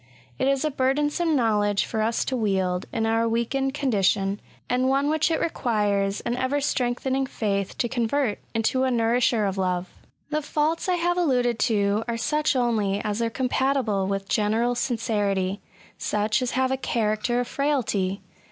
It is a burdensome knowledge for us to wield^ in our weakened condition^ and one which it requires an eyer«8trengthening faith to convert into a nourisher of lore. The faults I have alluded to are such only as are compatible with general sincerity — such as have a character of frailty.